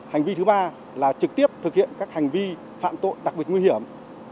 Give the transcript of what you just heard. hành vi thứ ba là trực tiếp thực hiện các hành vi phạm tội đặc biệt nguy hiểm